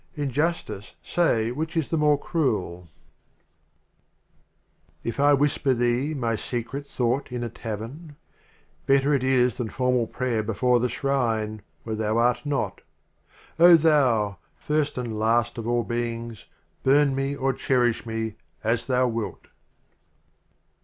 In justice, say which is the more cruel. LXXVII. If I whisper Thee my Secret Thought in a Tavern, Better it is than Formal Prayer be fore the Shrine — where Thou art not. O Thou, First and Last of All Beings, Burn me or cherish me, as Thou wilt!